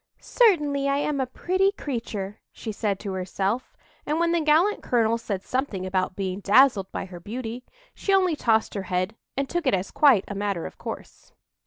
"Certainly I am a pretty creature," she said to herself; and when the gallant colonel said something about being dazzled by her beauty, she only tossed her head and took it as quite a matter of course.